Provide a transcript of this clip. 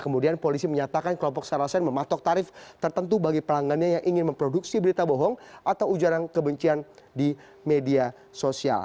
kemudian polisi menyatakan kelompok sarasen mematok tarif tertentu bagi pelanggannya yang ingin memproduksi berita bohong atau ujaran kebencian di media sosial